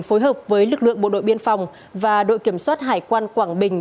phối hợp với lực lượng bộ đội biên phòng và đội kiểm soát hải quan quảng bình